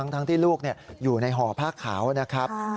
ทั้งที่ลูกอยู่ในห่อผ้าขาวนะครับ